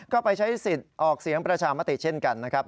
ก็ไปใช้สิทธิ์ออกเสียงประชามติเช่นกันนะครับ